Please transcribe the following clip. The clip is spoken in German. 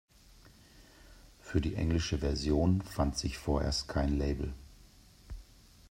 Für die englische Version fand sich vorerst kein Label.